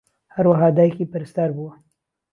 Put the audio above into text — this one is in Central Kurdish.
ھەروەھا دایکی پەرستار بووە